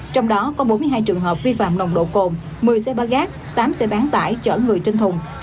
trong đó có bốn mươi hai trường hợp vi phạm nồng độ cồn một mươi xe ba gác tám xe bán tải chở người trên thùng